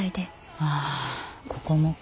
ああここもか。